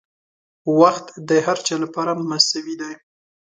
• وخت د هر چا لپاره مساوي دی.